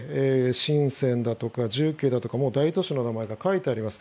シンセンだとか重慶だとか大都市の名前が書いてあります。